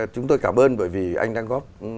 chúng tôi cảm ơn bởi vì anh đang góp